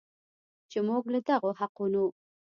چې موږ له دغو حقونو